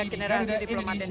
dan juga para diplomat indonesia